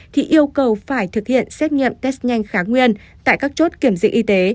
thì yêu cầu phải thực hiện xét nghiệm test nhanh kháng nguyên tại các chốt kiểm dịch y tế